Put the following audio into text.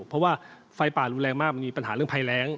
เพราะว่าไฟป่ารุนแรงมากมันมีปัญหาเรื่องภัยแรง